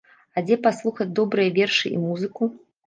А дзе паслухаць добрыя вершы і музыку?